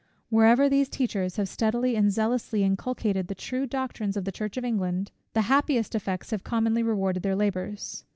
Wherever these teachers have steadily and zealously inculcated the true doctrines of the Church of England, the happiest effects have commonly rewarded their labours.